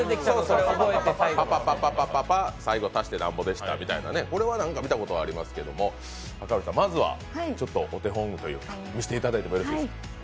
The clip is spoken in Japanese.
パパパパ、最後足してなんぼでした、これはなんか見たことありますけど、赤堀さんまずはお手本を見せていただいてよろしいですか？